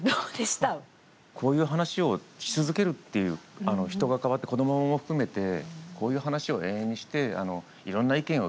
こういう話をし続けるっていう人が変わって子どもも含めてこういう話を延々にしていろんな意見を聞くっていう。